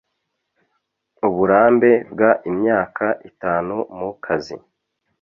uburambe bw imyaka itanu mu kazi